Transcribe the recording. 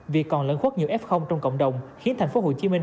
việc còn lẫn khuất nhiều f trong cộng đồng khiến thành phố hồ chí minh